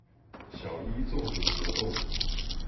小一綜合活動